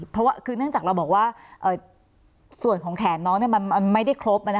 เพราะว่าคือเนื่องจากเราบอกว่าส่วนของแขนน้องมันไม่ได้ครบ